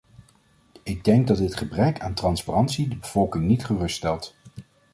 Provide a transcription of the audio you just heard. Ik denk dat dit gebrek aan transparantie de bevolking niet geruststelt.